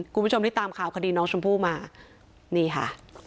คุณผู้ชมที่ตามข่าวคดีน้องชมพู่มานี่ค่ะ